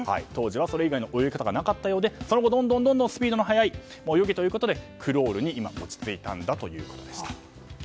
当時は、それ以外の泳ぎ方がなかったようでその後、どんどんスピードの速い泳ぎということでクロールに落ち着いたということでした。